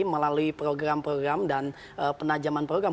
melalui program program dan penajaman program